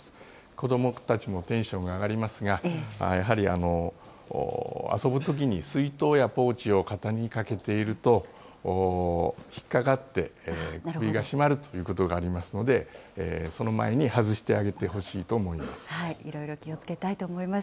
子どもたちもテンションが上がりますが、やはり遊ぶときに水筒やポーチを肩にかけていると、引っ掛かって、首が絞まるということがありますので、その前に外してあげてほしいろいろ気をつけたいと思います。